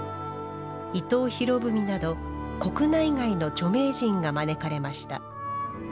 伊藤博文など国内外の著名人が招かれました。